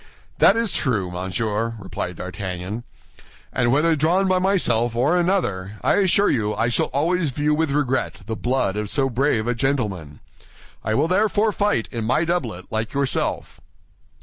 "That is true, Monsieur," replied D'Artagnan, "and whether drawn by myself or another, I assure you I shall always view with regret the blood of so brave a gentleman. I will therefore fight in my doublet, like yourself."